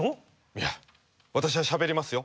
いや私はしゃべりますよ。